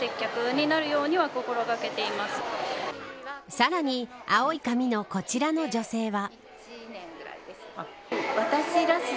さらに青い髪のこちらの女性は。